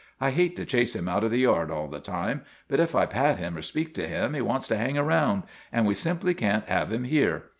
I hate to chase him out of the yard all the time; but if I pat him or speak to him he wants to hang around, and we simply can't have him here.